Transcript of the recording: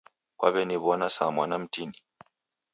Kwaw'eniw'ona saa mwana mtini.